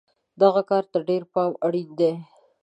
دغه کار ته ډېر پام اړین دی.